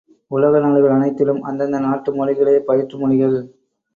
உலக நாடுகள் அனைத்திலும் அந்தந்த நாட்டு மொழிகளே பயிற்று மொழிகள்!